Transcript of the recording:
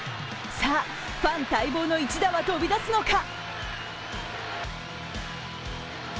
さあ、ファン待望の一打は飛び出すのか。